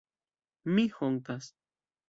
Mi hontas.